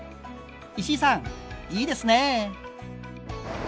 石井さんいいですね。